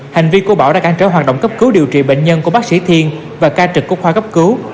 hành vi của bảo đã cản trở hoạt động cấp cứu điều trị bệnh nhân của bác sĩ thiên và ca trực của khoa cấp cứu